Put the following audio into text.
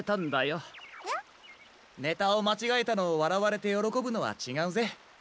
ネタをまちがえたのをわらわれてよろこぶのはちがうぜ。